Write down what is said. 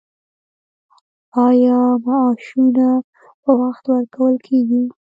آیا معاشونه په وخت ورکول کیږي؟